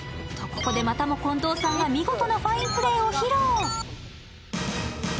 ここで、またも近藤さんが見事なファインプレーを披露。